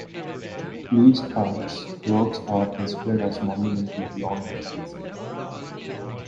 Louis Kahn's works are considered as monumental beyond modernism.